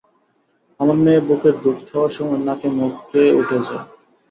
আমার মেয়ে বুকের দুধ খাওয়ার সময় নাকে মুখে উঠে যায়।